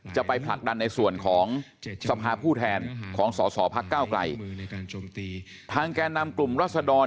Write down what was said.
จะไปผลักดันในส่วนของศพผู้แทนของสรปรกลทางแกนนำกลุ่มรัศดร